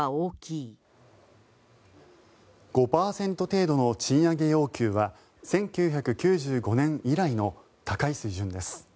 ５％程度の賃上げ要求は１９９５年以来の高い水準です。